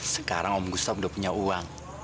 sekarang om gustaf sudah punya uang